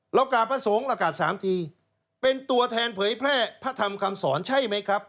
กราบพระสงฆ์เรากราบสามทีเป็นตัวแทนเผยแพร่พระธรรมคำสอนใช่ไหมครับ